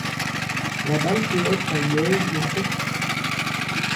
La balle peut être en liège ou en plastique.